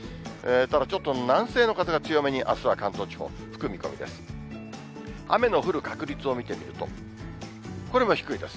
ただ、ちょっと南西の風が強めにあすは関東地方、吹く見込みです。